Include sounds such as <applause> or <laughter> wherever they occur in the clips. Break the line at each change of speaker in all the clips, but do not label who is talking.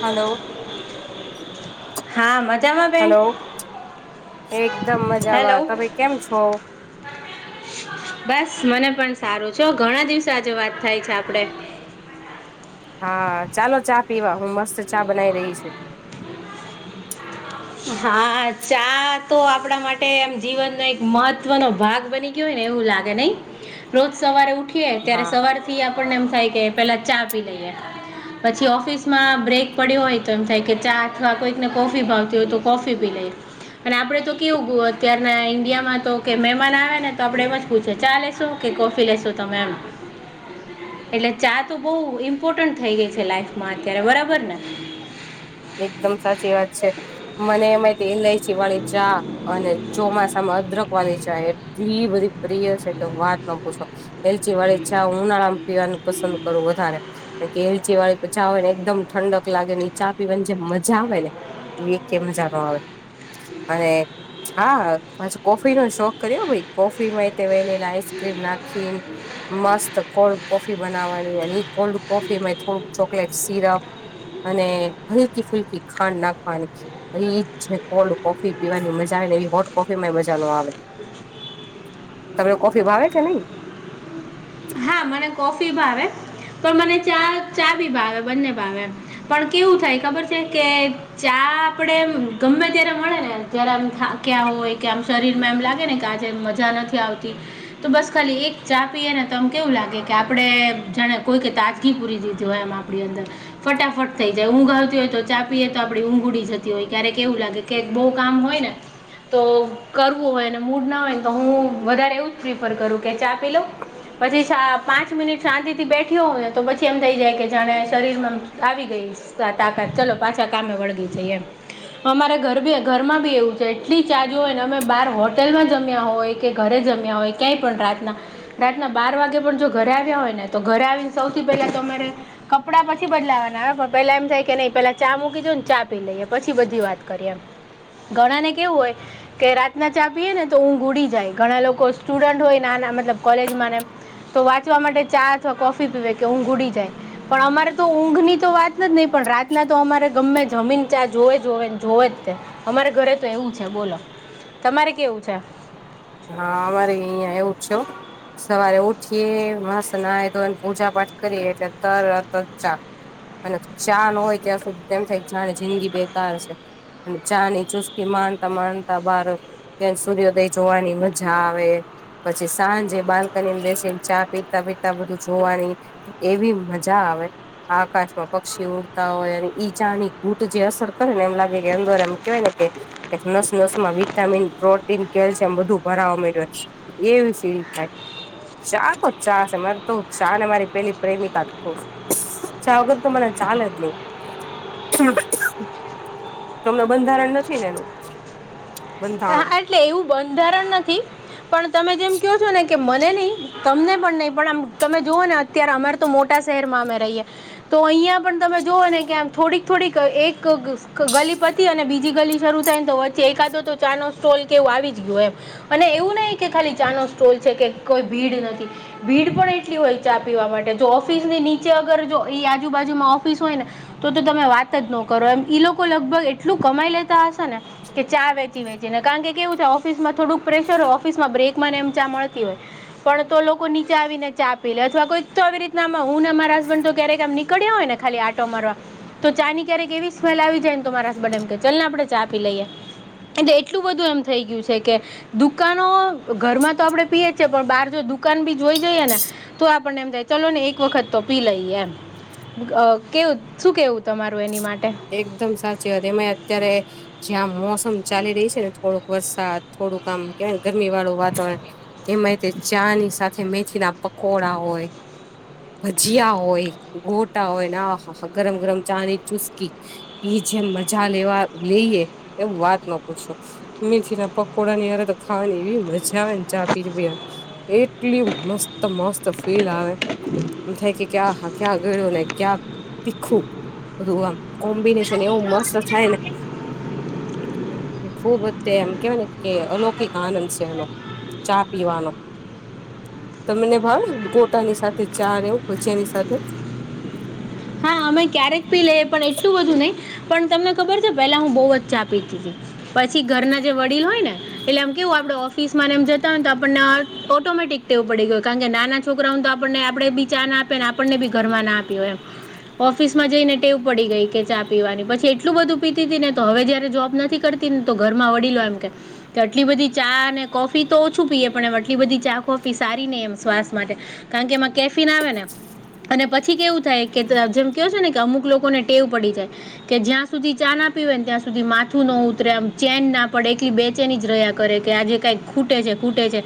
Hello
હા મજામાં બેન
હલો એકદમ
હેલો
મજામાં તમે કેમ છો.
બસ મને પણ સારું છે ઘણા દિવસેો આજે વાત થાય છે, આપડે
હા ચાલો ચા પીવા હું મસ્ત ચા બનાવી રહી છુ.
હા ચા તો આપણા માટે આમ જીવનનો એક મહત્વનોો ભાગ બની ને એવું લાગે નહી રોજ સવારે ઉઠીએ ત્યારે
હા
સવારે પી આપણને એમ થાય કે પેલા ચા પી લઈએ. પછી ઓફિસ માં બ્રેક પડ્યો હોય, તો એમ થાય કે ચા અથવા કોઈકને કોફી ભાવ જો તો કફી ભી લે અને આપડે તો કેવું અત્યારના ઈન્ડિયામાં તો કે મહેમાન આવે ને તો આપડે એમ જ પૂછે ચાલેસુ ઓ કે કોફી લેશો તમે એમ એટલે ચા તો બહ ઇમ્પોર્ટન્ટ થઈ ગઈ છે લાઈફ માં અત્યારે બરાબર ને
એકદમ સાચી વાત છે, મને એમાં ઇલાયચી વાળી ચા અને ચોમાસામાં અદરક વાળલી છે એટલી બધી પ્રિય છે, કે વાત ન પૂછો. એલચી વાળી છા ઉનાળામા, પીવાનું પસંદ કરું વધારે કેલચી વાળી તો ચા ને એકદમ ઠંડક લાગે ને ચા પીની જે મજા આવે ને વ મજા ન આવે અને હાછ કોફી નો શોખ કર્યો ભાઈ કોફી માં વેનીિલા આઈસ્ક્રીમ નાખી મસ્ત કોલ્ડ કોફી બનાવવાની અને કોલ્ડ કોફીમાં થોડુંક ચોકલેટ સિરપ અને હલકી ફુલકી ખાંડ ના ખાવાની એરી ઈજ છે, કોલ્ડ કોફી પીવાની મજા આવે ને એવી હોટ કોફી માં મજા નો આવે તમ કોફી ભાવે કે નહી.
હા મને કોફી ભાવે પણ મને ચા ચા ભી ભાવે બંને ભાવે પણ કેવું થાય ખબર છે, કે ચા આપડે ગમે ત્યારે મળે ને જય્યારેમ ક્યાં હોય, કે આમ શરીરમાં એમ લાગે ને કે આ મજા નથી આવતી તો બસ ખાલી એક ચા પીએ ને તોમ કેવું લાગે. કે આપણે જાણે કોઈક તાજગી પૂરી દીધી હોય એમ આપણી અંદર ફટાફટ થઈ જાય ઊંઘ આવતી હોય, તો ચાપીએ તો આપડી ઊંઘડી જતી હોય ક્યારે કેવું લાગે કેક બહુ કામ હોય, ને તો કરવું હોયને મૂડ ના હોય, ને તો હું વધારે એવું જ પ્રિફર કરું કે ચા પીલો પછી છા. પાંચ મિનિટ શાંતિથી બેઠી હોય તો પછી એમ થઈ જાય કે જાણે શરીરમાં આવી ગઈ. તાકાત ચલો પાછા કામે વળગી છે, એમ અમારે ઘર બ ઘર માં બી એવું છે, એટલી ચાજ હોયને અમે બાર હોટેલમાં જમ્યા હોય. કે ઘરે જમ્યા હોય, ક્યાંય પણ રાતના રાતના બાર વાગે પણ જો ઘર આવ્યા હોય ને, તો ઘરે આવીને સૌથી પહેલાં તમારે કપડાં પછી બદલાવાના આવે પણ પેલા એમ થાય કે નઈ પેલા ચા મૂકી દ ને ચા પી લઈએ પછી બધી વાત કરીએ એમ ઘણા ને કેવું હોય. કે રાતના ચા પીએ ને તો ઊઘ ઉડી જાય ઘણા લોકો સ્ટુડન્ટ હોય નાના મતલબ કોલેજમાંને તો વાંચવા માટે ચા અથવા કોફી પીવે કે ઊંઘ ઉડી જાય પણ અમારે તો ઊંઘ ની તો વાત જ નહી પણ રાતના તો અમારે ગમે જમીન ચા જોવે જોવે જોવે જ તે અમારે ઘરે તો એવું છે બોલો તમારે કેવું છે
હા મારે અહીંયા એવું છે સવારે ઉઠીએ મસ્ત નાઈ ધોને પૂજા પાઠ કરીએ એટલે તરત ચા અને ચા ન હોય ત્યાં સુધી તેમ થાય જાણે જિંદગી બેકાર છે અને ચા ની ચુસ્કી માણતા માણતા બાર કે સૂર્યોદય ધોવાની મજા આવે પછી સાંજે બાલ્કનીમા બેસીને ચા પીતા પીતા બધું જોવાની એવી મજા આવે આકાશમાં પક્ષી ઉડતા હોય અને ઈજાની ઘૂટ જે અસર કરે ને એમ લાગે કે એંદોર એમ કેવાય ને કે નસ નસ માં વિટામિન પ્રોટીન કેલ્શિયમ બધું ભરાવા <unintelligible> એવી સીલ થાય શાહ તો શાહ છે મને તો શાહ ને મારી પેલી પ્રેમિકા કહુ ચા વગર તો મને ચાલે જ ની તમને બંધારણ નથી ને એનું બંધારણ
હા એટલે એવું બંધારણ નથી પણ તમે જેમ કહો છો ને કે મને નહી તમને પણ નહીં પણ આ તમે જોઓ ને અત્યારે અમારે તો મોટા શહેરમાં અમે રહીએ તો અહિયાં પણ તમે જોઓ ને કે આમ થોડીક થોડીક એક ગલી પતી અને બીજી ગલી શરૂ થાય ને તો વચ્ચે એકાદો તો ચા નો સ્ટોલ કેવો આવી જ ગયો એમ અને એવું નહી કે ખાલી ચાનો સ્ટોલ છે કે કોઈ ભીડ નથી ભીડ પણ એટલી હોય ચા પીવા માટે જો ઓફિસ ની નીચે અગર જો ઈ આજુબાજુમાં ઓફિસ હોય ને તો તમે વાત જ ન કરો એમ ઈ લોકો લગભગ એટલું કમાઈ લેતા હશે ને કે ચા વે ચી વેચીને કારણ કેવું છે ઓફિસમાં થોડુંક પ્રેશર હોય ઓફિસમાં બ્રેક એમ ચા મળતી હોય પણ તો લોકો નીચે આવી ને ચા પી લે અથવા કોઈક તો આવી રીતના હુંને મારા હસબન્ડ તો ક્યારેક આમ નીકળ્યા હોય ને ખાલી આટો મારવા તો ચા ની ક્યારેક એવી સ્મેલ આવી જાય ને તોરા હબને એમ કે ચાલ ને આપડે ચા આપી લઈએ એ એટલું બધું એમ થઇ ગયું છે કે દુકાનો ઘરમાં તો આપડે પીએ છે પણ બાર જો દુકાન ભી જોઈ જઈએ ને તો આપણને એમ થાય ચલો ને એક વખત તો પી લઈએ એમ અ કેવું શું કેવું તમારું એની માટે
એકદમ સાચી વાત એમા અત્યારે જ્યાં મોસમ ચાલી રહી છે ને થોડુંક વરસાદ થોડુંક આમ કેવાય ગરમી વાળું વાતાવરણ એમાં તે ચા ની સાથે મેથી ના પકોડા હોય ભજીયા હોય ગોટા હોયને આ હા હા ગરમ ગરમ ચા ની ચુસ્કી ઈ જેમ મજા લેવા લઈએ એવું વાત ન પૂછો મેથી ના પકોડા ની અયા તો ખાવા ને એવી મજા આવે ને ચા પી ભયા એટલી મસ્ત મસ્ત ફીલ આવે એમ થાય કે ક્યાં ક્યાં આગળ્યું ને ક્યાં તીખું બધું આમ કોમ્બિનેશન એવું મસ્ત થાય ને ખુબ એમ કેવાય ને કે અલૌકિક આનંદ છે એમા ચા પીવાનો તમને ભાવે ગોટાની સાથે ચા ને એવું ભજીયાની સાથે
હા અમે ક્યારેક પી લઈએ પણ એટલું બધું નહી પણ તમને ખબર છે પેલા હું બહુ જ ચા પીતી તી પછી ઘરના જે વડીલ હોય ને એટલે આમ કેવું આપડે ઓફિસ એમ જતા હોય તો આપણને ઓટોમેટિક વું પડી ગયું કારણ કે નાના છોરાઓને તો આપણને આપડે બી ચા ના આપી ને આપણને બી ઘરમાં ના આપી હોય એમ ઓફિસ માં જઈ ને ટેવ પડી ગઈ કે ચા પીવાની પછી એટલું બધું પીતી હતી ને તો હવે જયારે જોબ નથી કર ને તો ઘરમાં વડીલો એમ કે કે આટલી બધી ચા અને કોફી તો ઓછું પીએ પણ એ આટલી બધી ચા કોફી સારી નહી એમ શ્વાસ માટે કારણ કે એમાં કેફિન આવે ને અને પછી કેવું થાય કે જેમ કેયો છે ને કે અમુક લોકોને ટેવ પડી જાય. કે જ્યાં સુધી ચા ના પીવે ને ત્યાં સુધી માથું ન ઉતરે આમ ચેન ના પડે એટલી બે ચેની જ રહ્યા. કરે કે આજ જે કઈ ખૂટે છે ખૂટે છે.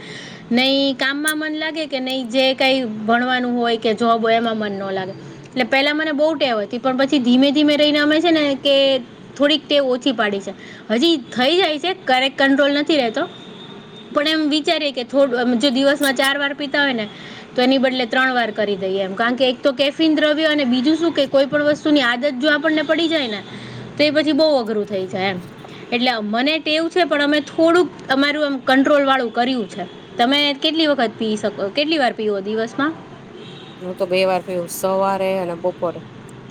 નહી કામમાં મન લાગે કે નહી જે કઈ ભણવાનું હોય કે જોબ હોય એમાં મન ન લાગે. એટલે પેલા મને બહુ ટેવ હતી પણ પછી ધીમે ધીમે રહીનામે છે ને કે થોડીક તે ઓછી પાડી છે હજી થઈ જાય છે ક્યારેક કંટ્રોલ નથી રહેતો. પણ એમ વિચારીએ કે થોડુ જો દિવસ માં ચાર વાર પીતા હોય ને તો એની બદલે ત્રણ વાર કરી દઈએ એમ કારણ કે એક તો કેફિન દ્રવ્ય અને બીજું શું કે કોઈ પણ વસ્તુ વસ્તુની આદત જો આપણને પડી જાય ને તો એ પછી બહુ અઘરું થઈ જાય એમ. એટલે મને તે એવું છે પણ અમે થોડુંક અમારું એમ કંટ્રોલ વાળું કર્યું છે. તમે કેટલી વખત પી શકો કેટલી વાર પીવો દિવસમાં.
હું તો બે વાર પીવુ સવારે અને બપોરે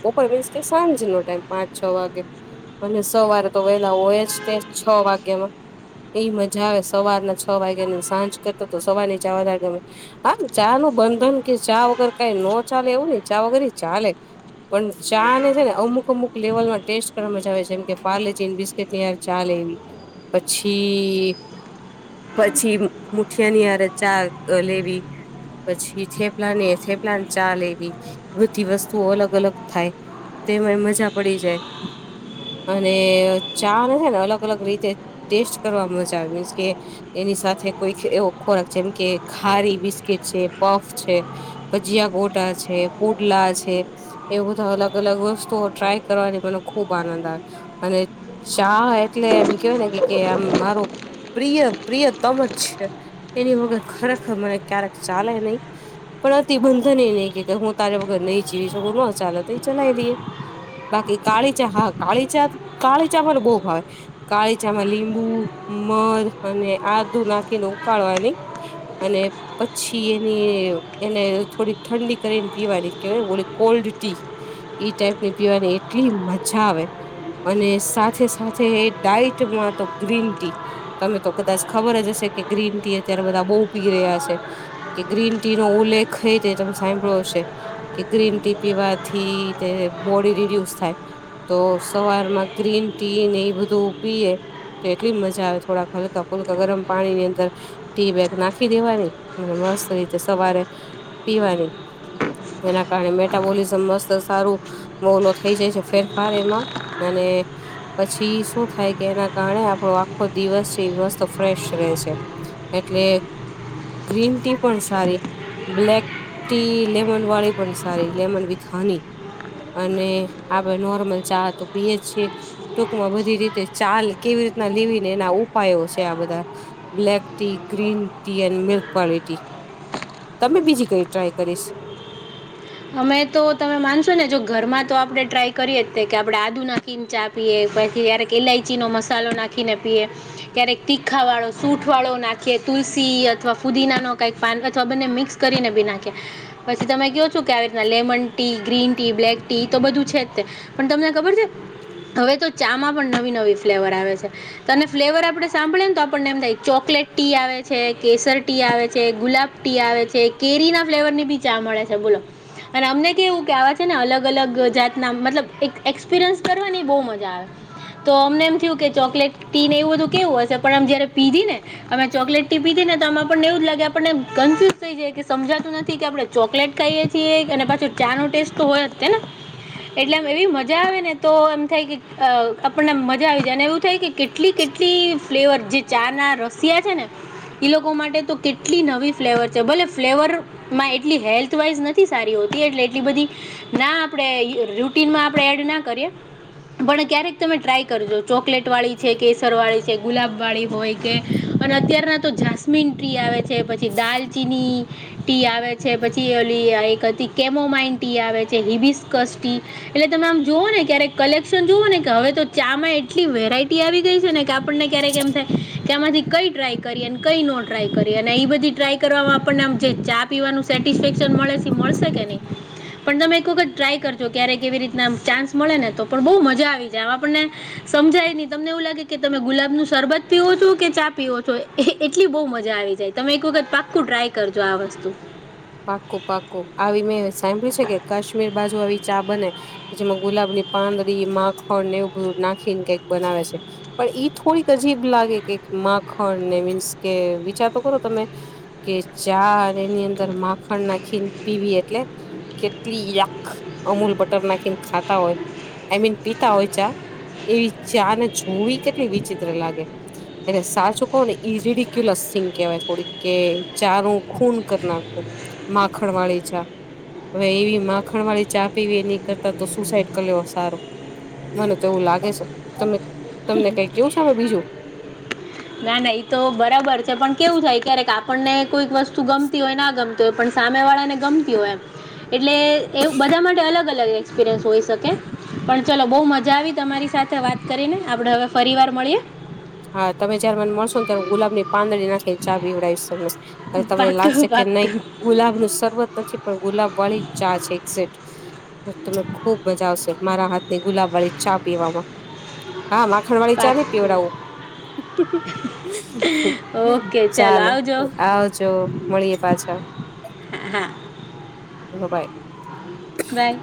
બપોર મીન્સ કે સાંજનો ટાઈમ પાંચ છ વાગે અને સવારે તો વહેલા હોય જ તે છ વાગ્યા માં એ મજા આવે સવારના છ વાગ્યા ની સાંજ કરતો તો સવાર ની ચા વધારે ગમે. હા ચા નું બંધન કે ચા વગર કઈ નો ચાલે એવું નઈ ચા વગર એ ચાલે. પણ ચા ને છે ને અમુક અમુક લેવલમાં ટેસ્ટ કરવા મજા આવે છે જેમ કે પારલે જીને બિસ્કીટ ની ચાલે એવી પછી પછી મુઠિયાની આરે ચા લેવી પછી થેપલા ને થેપલા ને ચાલે એવી બધી વસ્તુઓ અલગ અલગ થાય. તેમાંય મજા પડી જાય. અને ચા ને છે ને અલગ અલગ રીતે ટેસ્ટ કરવા મજા આવે મીન્સ કે એની સાથે કોઈ એવો ખોરાક જેમ કે ખારી બિસ્કીટ છે પફ છે. ભજીયા ગોટા છે પુડલા છે. એવું બધા અલગ અલગ વસ્તુઓ ટ્રાય કરવાની મને ખુબ આનંદ આવે. અને શાહ એટલે એમ કેવાય ને કે આમ મારો પ્રિય પ્રિય તમ જ છે એની વગર ખરેખર મને ક્યારેક ચાલે નહી. પણ અતિબંધન એ નહી કે હું તારે વગર નહી જીવી શું નો ચાલે તો ચલાય લઈએ. બાકી કાળી ચા હા કાળી ચા કાળી ચા મને બહુ ભાવે. કાળીચામાં લીંબુ મધ અને આદું નાખીને ઉકાળવા ની અને પછી એની એને થોડીક ઠંડી કરીને પીવાની કેહેવાય ઓલી કોલ્ડ ટી ઈ ટાઈપ ની પીવાની એટલી મજા આવે. અને સાથે સાથે ડાઈટમાં તો ગ્રીન ટી તમે તો કદાચ ખબર જ હશે કે ગ્રીન ટી અત્યારે બધા બઉ પી રહ્યા શે કે ગ્રીન ટી નો ઉલ્લેખ થઈ જાય તમે સાંભળો હશે. કે ગ્રીન ટી પીવાથી તે બોડી રિડ્યુસ થાય. તો સવાર માં ગ્રીન ટી ને એ બધું પીયે તો એટલી મજા આવે થોડા હલકા ફુલકા ગરમ પાણીની અંદર. ટી બેગ નાખી દેવાની અને મસ્ત રીતે સવારે પીવાની જેના કારણે મેટાબોલિઝમ મસ્ત સારું. મોવલો થઈ જાય છે ફેરફાર એમાં અને પછી શું થાય કે એના કારણે આપણો આખો દિવસ છે એ રસ્તો ફ્રેશ રહે છે. એટલે ગ્રીન ટી પણ છે. સારી બ્લેક ટી લેમન વાળી પણ સારી લેમન વિથ હાની. અને આપડે નોર્મલ ચા તો પીયે છીએ. ટૂંકમાં બધી રીતે ચાલ કેવી રીતના લેવી ને એના ઉપાયો છે આ બધા black tea green tea add milk વાળી ટી તમે બીજી કઈ ટ્રાય કરીશ.
અમે તો તમે માનશો ને જો ઘરમાં તો આપડણે ટ્રાય કરીએ જ કે આપડે આદુ ના ખીચા પીએ પછી જ્યારે ઈલાયચીનો મસાલો નાખીને પીએ ક્યારેક તીખા વાળો સૂઠ વાળો નાખીએ તુલસી અથવા ફુદીના નો કઈક પાન અથવા બને મિક્સ કરીને બી નાખ્યા પછી તમે કયો શું કે આવી રીતના lemon tea green tea black tea તો બધું છે જ તે પણ તમને ખબર છે. હવે તો ચા માં પણ નવી નવી ફ્લેવર આવે છે. તને ફ્લેવર આપડે સાંભળી એમતો આપણને એમ થાય ચોકલેટ ટી આવે છે, કેસર ટી આવે છે, ગુલાબ ટી આવે છે, કેરી ના ફ્લેવરની બીચા મળે છે, બોલો. અને અમને કેવું કે આવા છે, ને અલગ અલગ જાતના મતલબ એક એક્સપિરિયન્સ કરવાની બહુ મજા આવે. તો અમને એમ થયું કે ચોકલેટટીને એવું બધું કેવું હશે, પણ એમ જયારે પીધીને. અમે ચોકલેટ ટી પીધી નેતો આ આપણને એવું જ લાગે આપણને કન્ફ્યુઝ થઈ જાયકે સમજાતું નથી, કે આપણે ચોકલેટ ખાઈએ. અને પછી ચાનો ટેસ્ટ તો હોય જ તેને, એટલે એવી મજા આવે નેતો એમ થાય કે આપણને મજા આવી જાય અને એવું થાય કે, કેટલી કેટલી ફ્લેવર જે ચાના રસિયા છે, ને ઈ લોકો માટેતો કેટલી નવી ફ્લેવર છે, ભલે ફ્લેવરમાં એટલી હેલ્થવાઈઝ નથી. સારી હો એટલે એટલી બધી ના આપણેે રૂટીન આપણે એડના કરીએ, પણ ક્યારેક તમે ટ્રાય કરજો ચોકલેટ વાળી છે, કેસર વાળી છે, ગુલાબ વાળી હોય. કે અને અત્યારનાતો જાસ્મીન ટ્રી આવે છે, પછી દાલચીની. ટી આવે છે, પછી ઓલી એક કેમોમાઇન ટી આવે છેય હિબિસ્કસટી. એટલે તમે આમ જુઓને ક્યારેક કલેક્શન જુઓ નેકે હવે તો ચામાં એક. કેટલી વેરાયટી આવી ગઈ છે, નેકે આપણને ક્યારેક કેમ થાય. ત્યાંમાંથી કંઈ ટ્રાય કરી અને કંઈનો ટ્રાય કરી અને એ બધી ટ્રાય કરવાવામાં આપણને આમ જે ચાપ, પીવાનું સેટિસ્ફેક્શન મળે મળશે કે નહીં. પણ તમે એક વખત ટ્રાય કરજો ક્યારે કેવી રીતના ચાન્સ મળે ને તો પણ બહુ મજા આવી જાય આપણને, સમજાય નહી તમને એવું લાગે કે તમે ગુલાબનું સરબત પીવો છો, કેચા પીવો છો, એટલી બહુ મજા આવી જાય. તમે એક વખત પાક્કું ટ્રાય કરજો આ વસ્તુ,
પાક્કું પાક્કું આવી મેં સાંભળ્યું છે, કે કાશ્મીર બાજુ આવી ચા બને. જેમાં ગુલાબની પાંદડી માખણને એવું બધું નાખીને કંઈક બનાવે છે. પણ ઈ થોડીક અજીબ લાગેકે માખણ ને મીન્સ કે વિચારતો કરો તમે, કેચા અને એની અંદર માખણ નાખીન પીવી એટલે, કેટલી યાક અમૂલ બટર નાખીને ખાતા હોય. આઈ મીન પિતા હોય ચા એવી ચાને જોવી કેટલી વિચિત્ર લાગે, એટલે સાચું કહીંને ઈ રડક્યુલસિંગ કહેવાય થોડીક કે ચારું ખૂન કરી નાખું, માખણવાળી ચા, હવે એવી માખણ વાળી ચા પીવી એ નહીં કરતા તો સુસાઈડ કરી લેવો સારો, મનેતો એવું લાગે છે, તમે તમને કંઈ કેવું છે, મે બીજું
ના, ના એતો બરાબર છે, પણ કેવું થાય ક્યારેક આપણને કોઈક વસ્તુ ગમતી હોયના ગમતી. તો પણ સામે વાળાને ગમતી હોય. એટલે એ બધા માટે અલગ -અલગ એક્સપિરિયન્સ હોય શકે. પણ ચલો બઉ મજા આવી તમારી સાથે વાત કરીને આપડે હવે ફરીવાર મળીએ,
હા, તમે જયારે મને મળશોને ત્યારે ગુલાબની પાંદડી નાખી ચા પીવડાવીશ તમને. અને તમને
પાક્કું
લાગશે કે નહીં
પાક્કું
ગુલાબ નું શરબત નથી પણ ગુલાબ વાળીજ ચા છે, એકસેટ. તને ખુબ મજા આવશે મારા હાથની ગુલાબ વાળી ચા પીવામાં, હા, માખણવાળી ચા નઇ
પાક્કું
પીવડાવું.
ઓકે
ચાલો
આવજો
આવજો, મળીએ પાછા,
હા હા
હ બાય
બાય